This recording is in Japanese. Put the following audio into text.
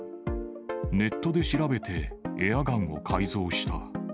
ネットで調べてエアガンを改造した。